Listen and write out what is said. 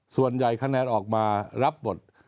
ส่วนใหญ่คะแนนออกมารับบท